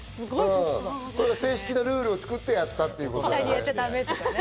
正式なルールを作ってやったってことだね。